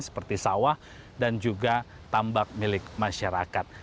seperti sawah dan juga tambak milik masyarakat